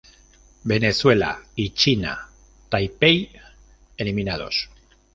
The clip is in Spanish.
Venezuela y China Taipei eliminados.